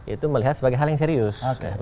itu melihat sebagai hal yang serius